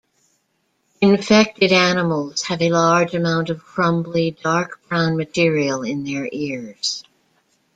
Infected animals have a large amount of crumbly dark brown material in their ears.